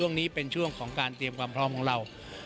ช่วงนี้เป็นช่วงของการเตรียมความพร้อมของเรา